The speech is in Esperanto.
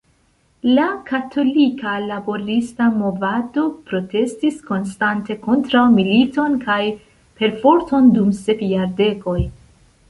La Katolika Laborista Movado protestis konstante kontraŭ militon kaj perforton dum sep jardekoj.